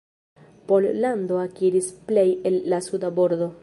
Pollando akiris plej el la suda bordo.